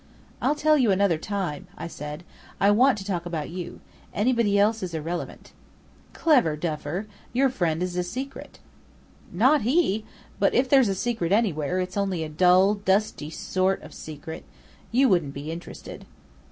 "I'll tell you another time," I said. "I want to talk about you. Anybody else is irrelevant." "Clever Duffer! Your friend is a secret." "Not he! But if there's a secret anywhere, it's only a dull, dusty sort of secret. You wouldn't be interested."